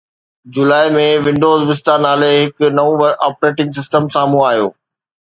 جولاءِ ۾، Windows Vista نالي هڪ نئون آپريٽنگ سسٽم سامهون آيو